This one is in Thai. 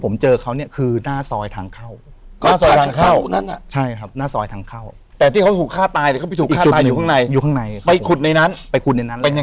มันอยู่ใต้ต้นขนุน